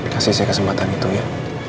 kasih saya kesempatan itu ya